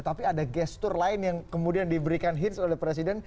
tapi ada gestur lain yang kemudian diberikan hits oleh presiden